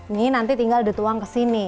ini nanti tinggal dituang ke sini